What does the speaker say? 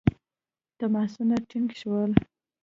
تماسونه ټینګ شول.